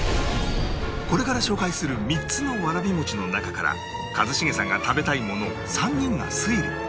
これから紹介する３つのわらび餅の中から一茂さんが食べたいものを３人が推理